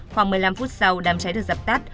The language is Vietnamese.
khoảng một mươi năm phút sau đám cháy được dập tắt